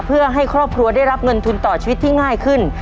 เพื่อให้ครอบครัวได้รับเงินทุนต่อชีวิตที่ง่ายขึ้น